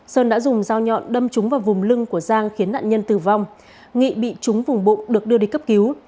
sơn đã dùng dao nhọn đâm trúng vào vùng lưng của giang khiến nạn nhân tử vong nghị bị trúng vùng bụng được đưa đi cấp cứu